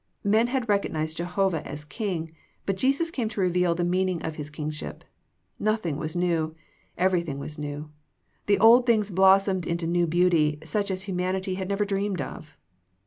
Men had recognized Jehovah as King, but Jesus came to reveal the meaning of His Kingship. Nothing was new. Everything was new. The old things blossomed into new beauty such as humanity had never dreamed of.